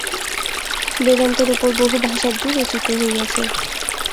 বেদান্তের উপর বহু ভাষ্যাদি রচিত হইয়াছে।